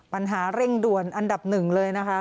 ปัญหาเร่งด่วนอันดับหนึ่งเลยนะคะ